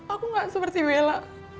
aku gak seperti bella